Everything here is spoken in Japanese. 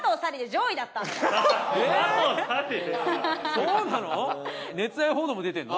そうなの？